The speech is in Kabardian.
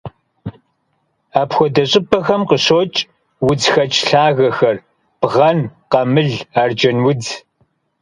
Апхуэдэ щӀыпӀэхэм къыщокӀ удзхэкӀ лъагэхэр: бгъэн, къамыл, арджэнудз.